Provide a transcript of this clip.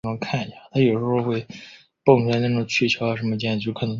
女子跳远比赛分为预赛及决赛。